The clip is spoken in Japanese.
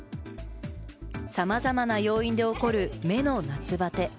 さまざまな要因で起こる目の夏バテ。